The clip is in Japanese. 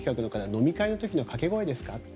飲み会の時の掛け声ですか？